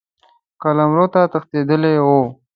قلمرو ته تښتېدلی وو.